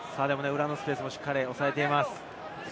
裏のスペースもしっかりおさえています。